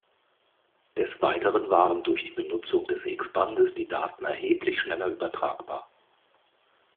Des Weiteren waren durch die Benutzung des X-Bandes die Daten erheblich schneller übertragbar.